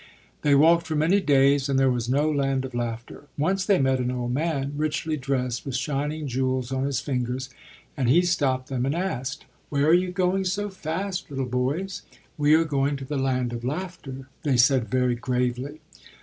They walked for many days; and there was no Land of Laughter. Once they met an old man, richly dressed, with shining jewels on his fingers, and he stopped them and asked: "Where are you going so fast, little boys?" "We are going to the Land of Laughter," they said very gravely.